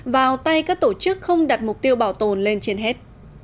vào tay các tổ chức không đặt mục tiêu bảo tồn lên trên hết